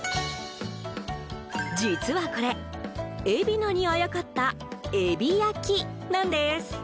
実はこれ、海老名にあやかったえび焼きなんです。